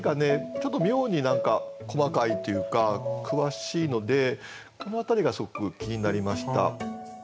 ちょっと妙に何か細かいというか詳しいのでこの辺りがすごく気になりました。